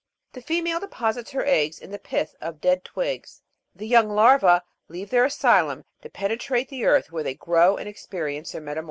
The female deposits her eggs in the pith of dead twigs. The young larva? leave their asylum to penetrate the earth, where they grow and experience their meta morphosis.